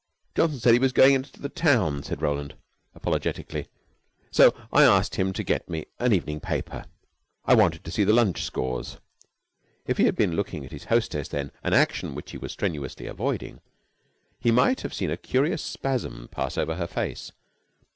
"Johnson said he was going into the town," said Roland apologetically, "so I asked him to get me an evening paper. I wanted to see the lunch scores." If he had been looking at his hostess then, an action which he was strenuously avoiding, he might have seen a curious spasm pass over her face.